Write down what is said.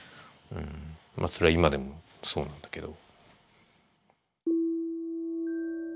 それは今でもそうなんだけど。